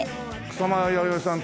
草間彌生さん